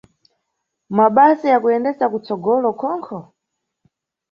Mabasa ya kuyendesa kutsogolo khonkho?